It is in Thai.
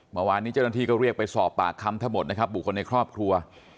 เมื่อวานนี้เจ้าหน้าที่ก็เรียกไปสอบปากคำทั้งหมดนะครับบุคคลในครอบครัว